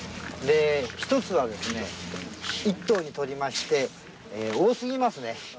１つはですね、１頭にとりまして多すぎますね。